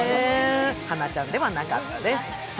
はなちゃんではなかったです。